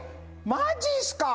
マジっすか？